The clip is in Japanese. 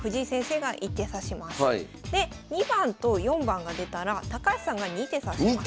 で２番と４番が出たら高橋さんが２手指します。